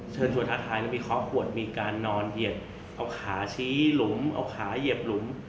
เชิญชวนท้าทายแล้วมีเคาะขวดมีการนอนเหยียบเอาขาชี้หลุมเอาขาเหยียบหลุม